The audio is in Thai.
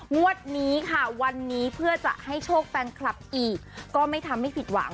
งวดนี้ค่ะวันนี้เพื่อจะให้โชคแฟนคลับอีกก็ไม่ทำให้ผิดหวัง